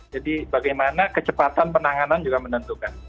jadi bagaimana kecepatan penanganan juga menentukan